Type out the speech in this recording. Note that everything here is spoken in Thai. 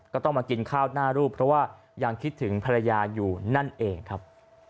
ก็ต้องมากินข้าวหน้ารูปเพราะว่ายังคิดถึงภรรยาอยู่นั่นเองครับ